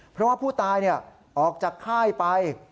เพราะว่าผู้ตายออกจากค่ายไป